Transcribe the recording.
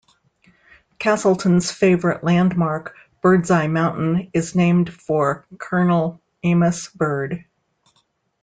Castleton's favorite landmark, Birdseye Mountain, is named for Colonel Amos Bird.